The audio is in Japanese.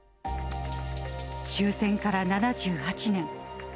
終戦から７８年。